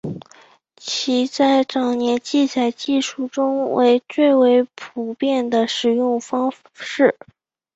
其在早期记载技术中为最为普遍的使用方式。